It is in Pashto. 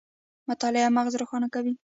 مطالعه مغز روښانه کوي